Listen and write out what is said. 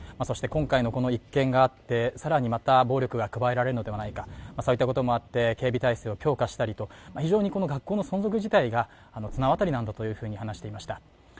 更にこの一見があって、更にまた暴力が加えられるのではないか、そういったこともあって警備体制を強化したりと、学校の存続自体が綱渡りなんだというふうに話していました。